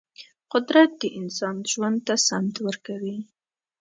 قدرت د انسان ژوند ته سمت ورکوي.